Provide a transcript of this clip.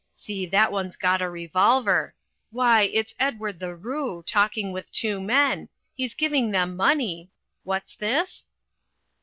see, that one's got a revolver why, it's Edward the Roo talking with two men he's giving them money what's this?